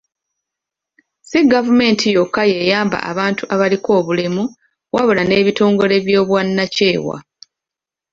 Si gavumenti yokka y'eyamba abantu abaliko obulemu wabula n'ebitongole by'obwannakyewa.